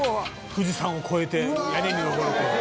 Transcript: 「富士山を越えて屋根に上ると」